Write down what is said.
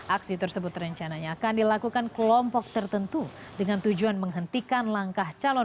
aksi tersebut rencananya akan dilakukan kelompok tertentu dengan tujuan menghentikan langkah calon